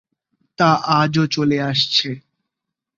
তা আজ ও চলে আসছে।